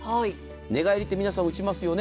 寝返り、皆さんも打ちますよね。